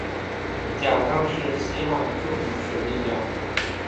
贾让是西汉著名水利家。